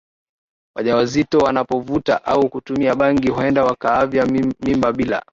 wajawazito wanapovuta au kutumia bangi huenda wakaavya mimba bila